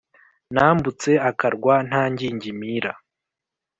nambutse akarwa nta ngingimira.